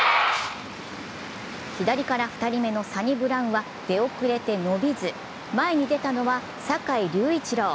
左から２人目のサニブラウンは出遅れて伸びず、前に出たのは坂井隆一郎。